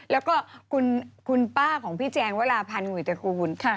แล้วก็คุณป้าของพี่แจงวราพันธ์หวยตระกูล